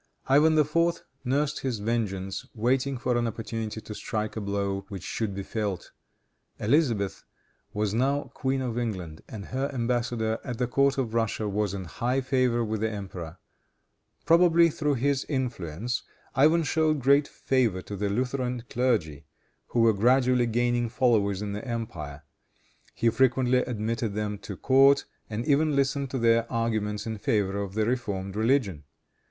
Ivan IV. nursed his vengeance, waiting for an opportunity to strike a blow which should be felt. Elizabeth was now Queen of England, and her embassador at the court of Russia was in high favor with the emperor. Probably through his influence Ivan showed great favor to the Lutheran clergy, who were gradually gaining followers in the empire. He frequently admitted them to court, and even listened to their arguments in favor of the reformed religion.